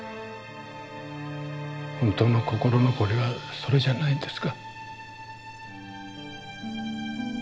本当の心残りはそれじゃないんですか？